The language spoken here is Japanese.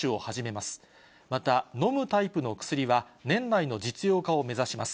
また飲むタイプの薬は、年内の実用化を目指します。